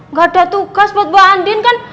gak ada tugas buat mbak andin kan